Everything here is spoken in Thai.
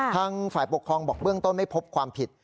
ทางฝ่ายปกครองบอกเบื้องต้นไม่พบความผิด